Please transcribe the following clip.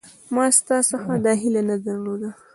ما ستا څخه دا هیله نه درلوده